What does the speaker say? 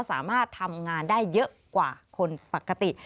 สามารถทำงานได้เยอะกว่าคนปกติ